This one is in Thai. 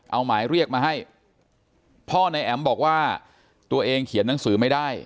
เอาหมายเรียกมาให้พ่อนายแอ๋มบอกว่าตัวเองเขียนหนังสือไม่ได้